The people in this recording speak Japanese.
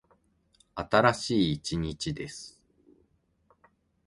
新しい一日です。